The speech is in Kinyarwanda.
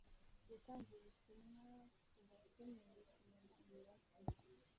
Yatanze ubutumwa ku bakeneye kumenya imibare